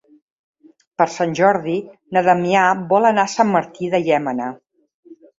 Per Sant Jordi na Damià vol anar a Sant Martí de Llémena.